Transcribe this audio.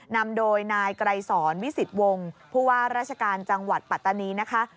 นำโดยนายไกรสอนวิสิตวงศ์ผู้ว่าราชการจังหวัดปัตตานีนะคะ